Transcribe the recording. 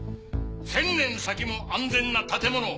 「１，０００年先も安全な建物を」。